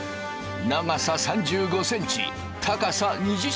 長さ３５センチ高さ２０センチ。